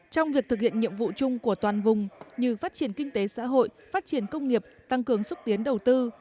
trong việc thực hiện nhiệm vụ chung của toàn vùng như phát triển kinh tế xã hội phát triển công nghiệp tăng cường xúc tiến đầu tư